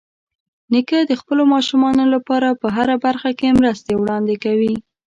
نیکه د خپلو ماشومانو لپاره په هره برخه کې مرستې وړاندې کوي.